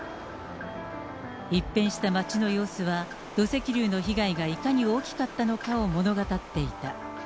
一変した町の様子は土石流の被害がいかに大きかったかを物語っていた。